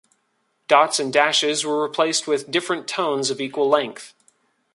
Dots and dashes were replaced with different tones of equal length.